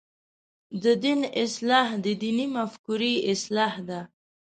د دین اصلاح د دیني مفکورې اصلاح ده.